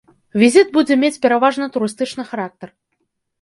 Візіт будзе мець пераважна турыстычны характар.